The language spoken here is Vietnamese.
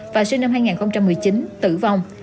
và sinh năm hai nghìn một mươi chín tử vong